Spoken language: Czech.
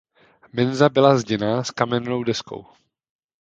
Mensa byla zděná s kamennou deskou.